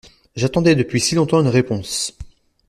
J’attendais depuis si longtemps une réponse.